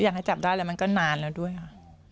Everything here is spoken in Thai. อยากให้จับได้แล้วมันก็นานแล้วด้วยค่ะ